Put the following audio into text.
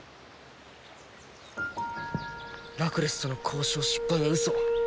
ラクレスとの交渉失敗は嘘。